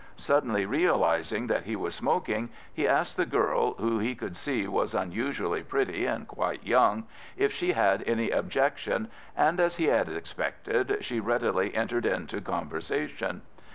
Suddenly realising that he was smoking, he asked the girl, who he could see was unusually pretty and quite young, if she had any objection, and, as he had expected, she readily entered into conversation.